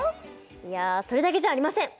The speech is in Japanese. いやそれだけじゃありません！